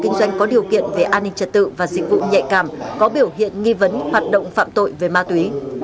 kinh doanh có điều kiện về an ninh trật tự và dịch vụ nhạy cảm có biểu hiện nghi vấn hoạt động phạm tội về ma túy